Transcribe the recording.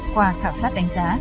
qua khảo sát đánh giá